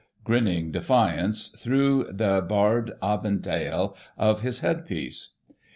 loi grinning defiance through the baxred aventaile of his head piece.